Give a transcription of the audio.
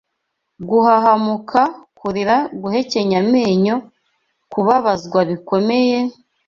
guhahamuka, kurira, guhekenya amenyo, kubabazwa bikomeye,